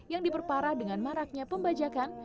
yang diperparah dengan maraknya pembajakan